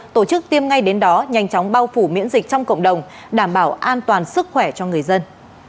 tổ chức tiêm ngay đến đó nhanh chóng bao phủ miễn dịch trong cộng đồng đảm bảo an toàn sức khỏe cho người dân